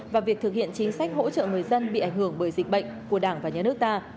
và việc thực hiện chính sách hỗ trợ người dân bị ảnh hưởng bởi dịch bệnh của đảng và nhà nước ta